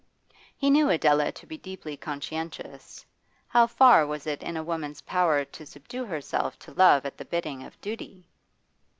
He knew Adela to be deeply conscientious; how far was it in a woman's power to subdue herself to love at the bidding of duty?